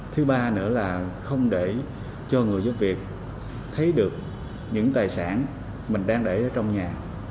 thứ ba nữa là không để cho người giúp việc thấy được những tài sản mình đang để ở trong nhà